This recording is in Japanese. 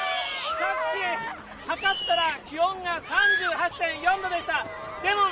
さっきはかったら、気温が３８．４度でした。